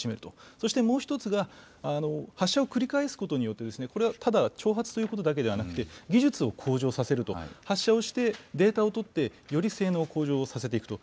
そしてもう１つが発射を繰り返すことによって、これはただ挑発ということではなくて、技術を向上させると、発射をして、データを取って、より性能を向上させていくと。